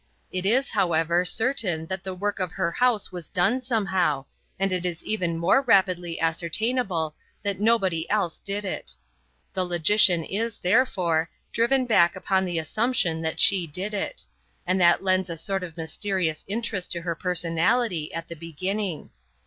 It is, however, certain that the work of her house was done somehow, and it is even more rapidly ascertainable that nobody else did it. The logician is, therefore, driven back upon the assumption that she did it; and that lends a sort of mysterious interest to her personality at the beginning.